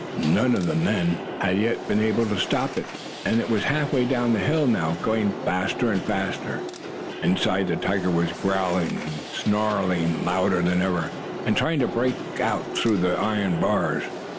None of the men had yet been able to stop it, and it was half way down the hill now, going faster and faster. Inside, the tiger was growling and snarling louder than ever, and trying to break out through the iron bars.